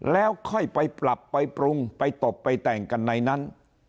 แล้วค่อยไปปรับไปปรุงไปตบไปแต่งกันในนั้น